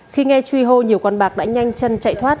khi nghe truy hô nhiều con bạc đã nhanh chân chạy thoát